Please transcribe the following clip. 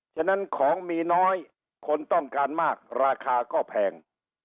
ฉะนั้นของมีน้อยคนต้องการมากราคาก็แพง